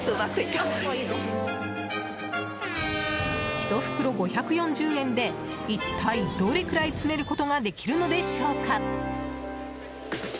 １袋、５４０円で一体どれぐらい詰めることができるのでしょうか。